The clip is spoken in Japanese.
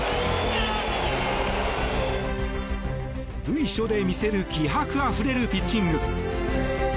随所で見せる気迫あふれるピッチング。